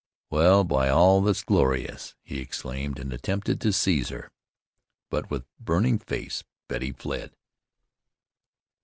"Well! By all that's glorious!" he exclaimed, and attempted to seize her; but with burning face Betty fled.